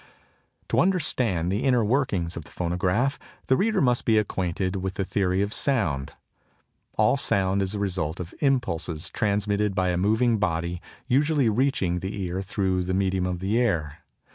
To understand the inner working of the phonograph the reader must be acquainted with the theory of sound. All sound is the result of impulses transmitted by a moving body usually reaching the ear through the medium of the air.